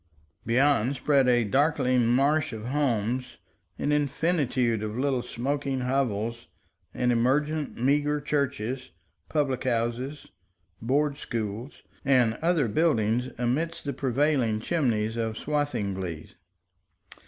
Beyond, spread a darkling marsh of homes, an infinitude of little smoking hovels, and emergent, meager churches, public houses, board schools, and other buildings amidst the prevailing chimneys of Swathinglea.